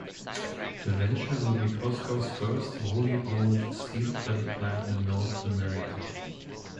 The venture will be Posco's first wholly owned steel-plate plant in North America.